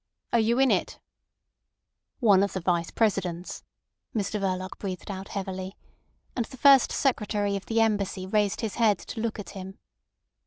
"Are you in it?" "One of the Vice Presidents," Mr Verloc breathed out heavily; and the First Secretary of the Embassy raised his head to look at him.